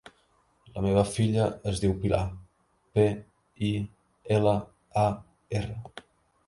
La meva filla es diu Pilar: pe, i, ela, a, erra.